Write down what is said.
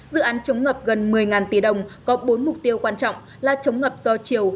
dự án chống ngập gần một mươi tỷ đồng có bốn mục tiêu quan trọng là chống ngập do chiều